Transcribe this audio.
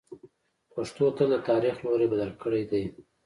پښتنو تل د تاریخ لوری بدل کړی دی.